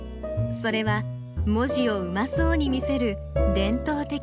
それは文字をうまそうに見せる伝統的な技。